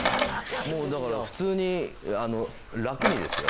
もうだから普通に楽にですよ？